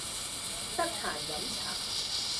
得閒飲茶